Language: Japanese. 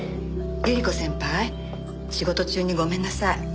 百合子先輩仕事中にごめんなさい。